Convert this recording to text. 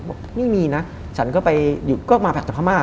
บอกว่าไม่มีนะฉันก็ไปอยู่ก็มาแผลจากพม่า